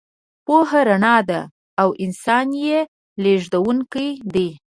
پوهه رڼا ده او انسان یې لېږدونکی دی.